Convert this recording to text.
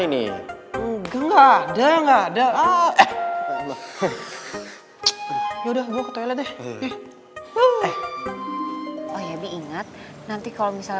ini enggak ada enggak ada ya udah bawa ke toilet deh oh ya diingat nanti kalau misalnya